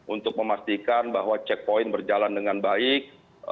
untuk memastikan bahwa checkpoint berjalan dengan baik